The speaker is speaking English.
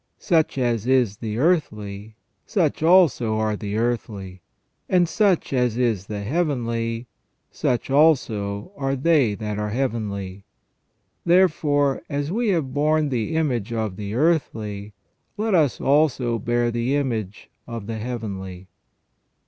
Such as is the earthly, such also are the earthly ; and such as is the heavenly, such also are they that are heavenly. Therefore, as we have borne the image of the earthly, let us also bear the image of the heavenly.